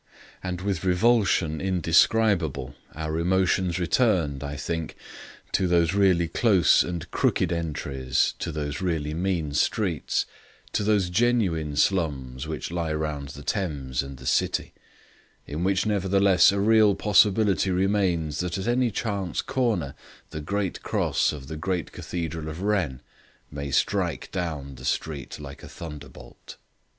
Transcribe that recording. And with revulsion indescribable our emotions returned, I think, to those really close and crooked entries, to those really mean streets, to those genuine slums which lie round the Thames and the City, in which nevertheless a real possibility remains that at any chance corner the great cross of the great cathedral of Wren may strike down the street like a thunderbolt.